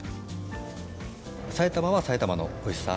埼玉は埼玉のおいしさ。